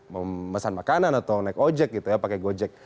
memesan makanan atau naik ojek gitu ya pakai gojek